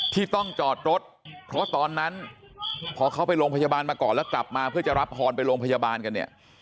ที่ต้องจอดรถเพราะตอนนั้นพอเขาไปโรงพยาบาลมาก่อนแล้วกลับมาเพื่อจะรับพรไปโรงพยาบาลกันเนี่ย